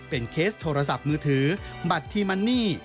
เป็นเคสโทรศัพท์มือถือบัตรทีมันนี่